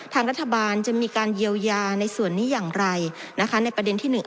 ทางรัฐบาลจะมีการเยียวยาในส่วนนี้อย่างไรนะคะในประเด็นที่หนึ่ง